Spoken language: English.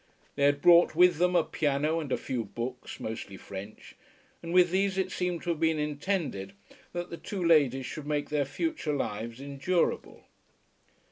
They had brought with them a piano and a few books, mostly French; and with these it seemed to have been intended that the two ladies should make their future lives endurable.